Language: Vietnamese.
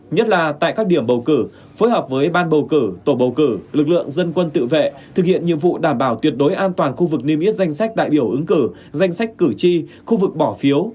nhất là tại các điểm bầu cử phối hợp với ban bầu cử tổ bầu cử lực lượng dân quân tự vệ thực hiện nhiệm vụ đảm bảo tuyệt đối an toàn khu vực niêm yết danh sách đại biểu ứng cử danh sách cử tri khu vực bỏ phiếu